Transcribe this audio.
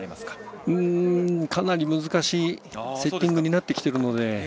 かなり難しいセッティングになっているので。